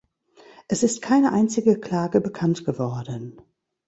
Es ist keine einzige Klage bekannt geworden.